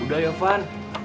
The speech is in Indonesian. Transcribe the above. udah ya varn